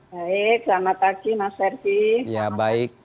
baik selamat pagi mas ferdi